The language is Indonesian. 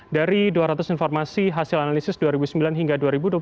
dari dua ratus informasi hasil analisis dua ribu sembilan hingga dua ribu dua puluh satu